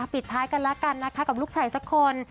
ปิดท้ายกันแล้วกันนะคะกับลูกชายสักคน